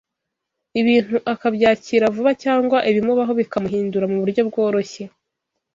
ibintu akabyakira vuba cyangwa ibimubaho bikamuhindura mu buryo bworoshye